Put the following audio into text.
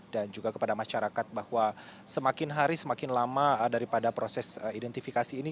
dan juga kepada masyarakat bahwa semakin hari semakin lama daripada proses identifikasi ini